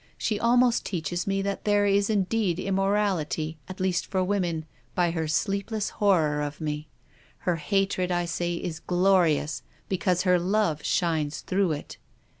She almost teaches me that there is indeed immortality — at least for women — by her sleepless horror of me. Her hatred, I say, is glorious, because her love shines through it.